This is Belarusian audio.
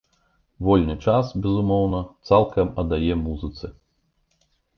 Вольны час, безумоўна, цалкам аддае музыцы.